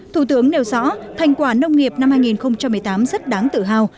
thủ tướng nêu rõ thành quả nông nghiệp năm hai nghìn một mươi tám rất đáng tự hào